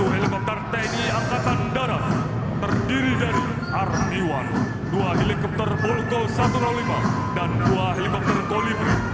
tiga puluh satu helikopter tni angkatan darat terdiri dari army one dua helikopter volko satu ratus lima dan dua helikopter colibri